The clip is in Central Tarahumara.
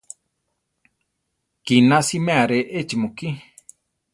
Kina siméa re échi mukí.